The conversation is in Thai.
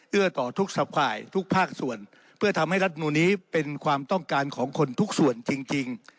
ต่อทุกสัตว์ฝ่ายทุกภาคส่วนเพื่อทำให้รัฐมนูลนี้เป็นความต้องการของคนทุกส่วนจริง